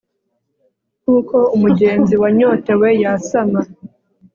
nk'uko umugenzi wanyotewe yasama